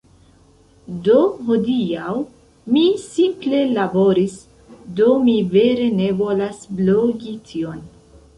Do hodiaŭ, mi simple laboris, Do mi vere ne volas blogi tion...